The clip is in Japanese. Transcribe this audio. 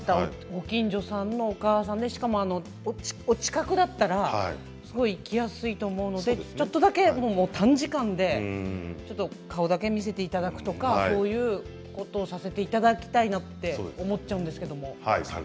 ご近所さんのお母さんでしかもお近くだったらすごい行きやすいと思うのでちょっとだけ、短時間で顔だけ見せていただくとかそういうことをさせていただきたいなって思っちゃうんですけれども。